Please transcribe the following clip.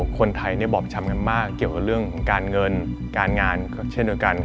คนไทยบอบช้ำกันมากเกี่ยวกับเรื่องของการเงินการงานก็เช่นเดียวกัน